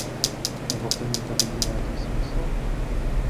Nebo v tom někdo vidí nějaký smysl?